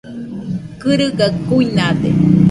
Kɨrɨgaɨ kuinade.